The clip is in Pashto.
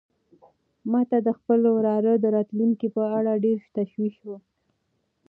ما ته د خپل وراره د راتلونکي په اړه ډېر تشویش و.